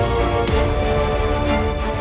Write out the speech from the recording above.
biznes mekasani sama